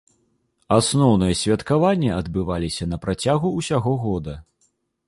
Асноўныя святкаванні адбываліся на працягу ўсяго года.